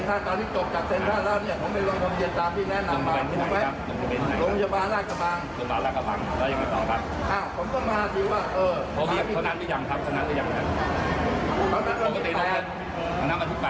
อาชีพฉีดให้มาฉีดได้อ่ะ